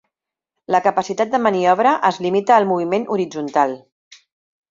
La capacitat de maniobra es limita al moviment horitzontal.